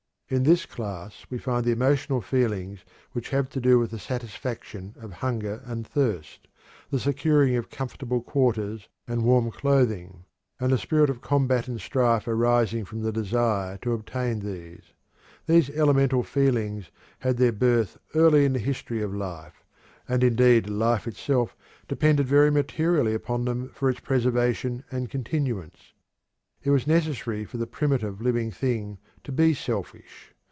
In this class we find the emotional feelings which have to do with the satisfaction of hunger and thirst, the securing of comfortable quarters and warm clothing, and the spirit of combat and strife arising from the desire to obtain these. These elemental feelings had their birth early in the history of life, and indeed life itself depended very materially upon them for its preservation and continuance. It was necessary for the primitive living thing to be "selfish."